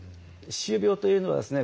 歯周病というのはですね